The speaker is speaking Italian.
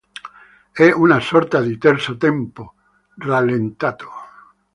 È una sorta di terzo tempo rallentato.